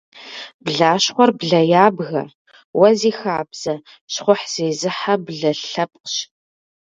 Блащхъуэр блэ ябгэ, уэ зи хабзэ, щхъухь зезыхьэ блэ лъэпкъщ.